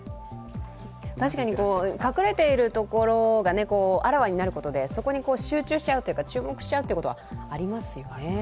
確かに、隠れているところがあらわになることで、そこに集中しちゃうというか注目しちゃうことはありますよね。